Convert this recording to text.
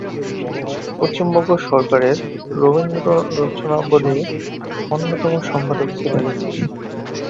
পশ্চিমবঙ্গ সরকারের "রবীন্দ্ররচনাবলী"র তিনি অন্যতম সম্পাদক ছিলেন।